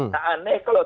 nah aneh kalau